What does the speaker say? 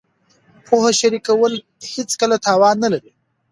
پوهه شریکول هېڅکله تاوان نه لري.